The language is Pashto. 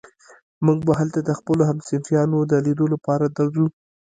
موږ به هلته د خپلو همصنفيانو د ليدو لپاره درځو.